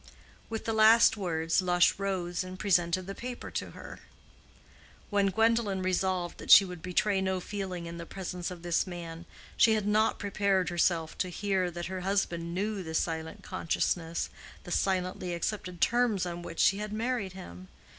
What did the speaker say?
With the last words Lush rose and presented the paper to her. When Gwendolen resolved that she would betray no feeling in the presence of this man, she had not prepared herself to hear that her husband knew the silent consciousness, the silently accepted terms on which she had married him.